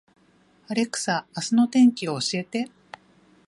アレクサ、明日の天気を教えて